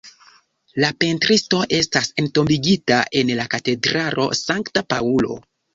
La pentristo estas entombigita en la katedralo Sankta Paŭlo.